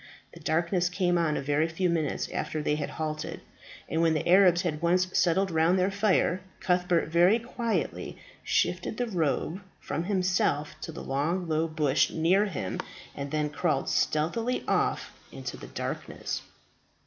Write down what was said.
The darkness came on a very few minutes after they had halted, and when the Arabs had once settled round their fire, Cuthbert very quietly shifted the robe from himself to the long low bush near him, and then crawled stealthily off into the darkness.